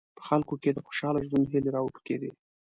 په خلکو کې د خوشاله ژوند هیلې راوټوکېدې.